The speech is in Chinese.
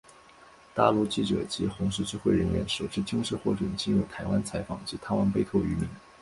大陆记者及红十字会人员首次正式获准进入台湾采访及探望被扣渔民。